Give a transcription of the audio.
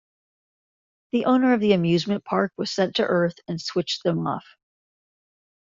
The owner of the amusement park was sent to Earth and switched them off.